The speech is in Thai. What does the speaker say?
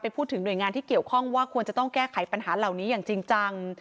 พูดถึงหน่วยงานที่เกี่ยวข้องว่าควรจะต้องแก้ไขปัญหาเหล่านี้อย่างจริงจัง